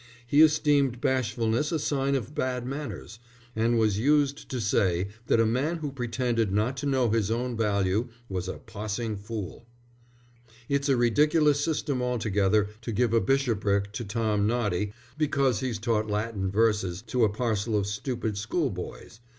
He esteemed bashfulness a sign of bad manners, and was used to say that a man who pretended not to know his own value was a possing fool. "It's a ridiculous system altogether to give a bishopric to Tom Noddy because he's taught Latin verses to a parcel of stupid school boys.